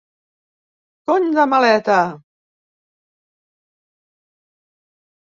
Cony de maleta!